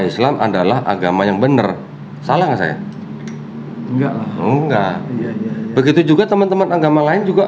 islam adalah agama yang benar salah enggak saya enggak enggak begitu juga teman teman agama lain juga